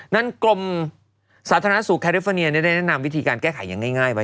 นั่นกรมสาธารณสูตรแคลิฟอเนียนี่ได้แนะนำวิธีการแก้ไขง่ายไป